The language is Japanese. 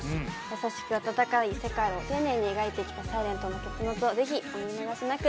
優しく温かい世界を丁寧に描いてきた『ｓｉｌｅｎｔ』の結末をぜひお見逃しなく。